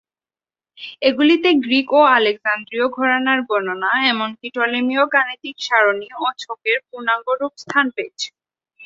এগুলিতে গ্রিক ও আলেকজান্দ্রীয় ঘরানার গণনা, এমনকি টলেমীয় গাণিতিক সারণি ও ছকের পূর্ণাঙ্গ রূপ স্থান পেয়েছে।